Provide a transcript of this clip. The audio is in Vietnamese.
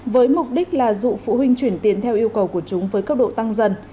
với mục đích là dụ phụ huynh chuyển tiền theo yêu cầu của chúng với cấp độ tăng dần